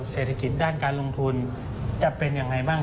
เศรษฐกิจด้านการลงทุนจะเป็นยังไงบ้าง